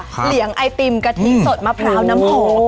เหลียงไอติมกะทิสดมะพร้าวน้ำหอม